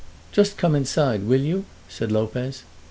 "Just come inside, will you?" said Lopez.